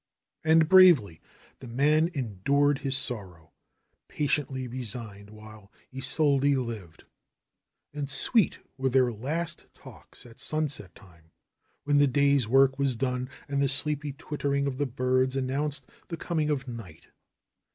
And bravely the man endured his sorrow, patiently resigned while Isolde lived. And sweet were their last talks at sunset time, when the day's work was done and the sleepy twittering of the birds announced the coming of night.